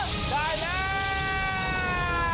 คุณอโนไทจูจังขอแสดงความจริงกับผู้ที่ได้รับรางวัลครับ